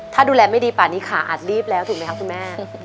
ถ้าดูแลไม่ดีป่านี้ขาอาจรีบแล้วถูกไหมคะคุณแม่